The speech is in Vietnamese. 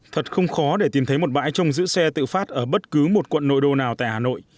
thật không khó để tìm thấy một bãi trong giữ xe tự phát ở bất cứ một quận nội đô nào tại hà nội